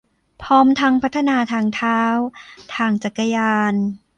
พร้อมทั้งพัฒนาทางเท้า ทางจักรยาน